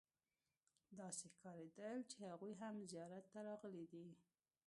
داسې ښکارېدل چې هغوی هم زیارت ته راغلي دي.